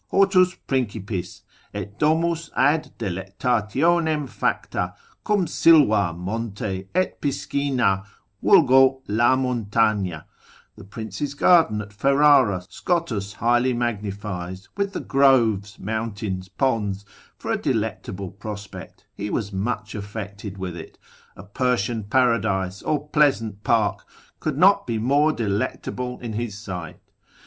Hortus principis et domus ad delectationem facia, cum sylva, monte et piscina, vulgo la montagna: the prince's garden at Ferrara Schottus highly magnifies, with the groves, mountains, ponds, for a delectable prospect, he was much affected with it: a Persian paradise, or pleasant park, could not be more delectable in his sight.